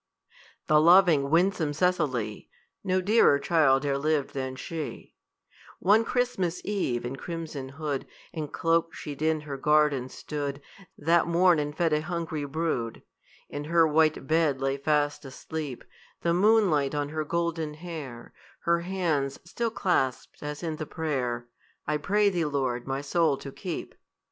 The loving, winsome Cecily No dearer child e'er lived than she One Christmas eve (in crimson hood And cloak she'd in her garden stood That morn and fed a hungry brood) In her white bed lay fast asleep, The moonlight on her golden hair, Her hands still clasped as in the prayer, "I pray thee, Lord, my soul to keep."